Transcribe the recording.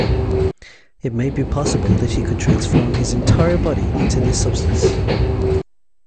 It may be possible that he could transform his entire body into this substance.